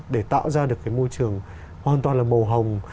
để tạo ra được cái môi trường hoàn toàn là màu hồng